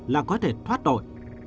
là có thể thoát tội